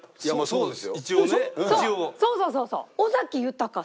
そうそうそうそう！